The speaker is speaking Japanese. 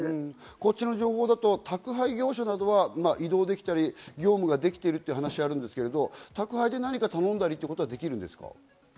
こちらの情報だと宅配業者などは移動できたり、業務ができている話があるんですけど、宅配で何かを頼んだりすることはできるんですか？